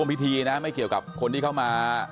พิธีนะไม่เกี่ยวกับคนที่เข้ามา